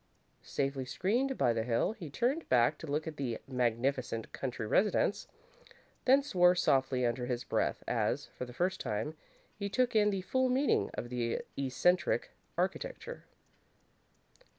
Safely screened by the hill, he turned back to look at the "magnificent country residence," then swore softly under his breath, as, for the first time, he took in the full meaning of the eccentric architecture.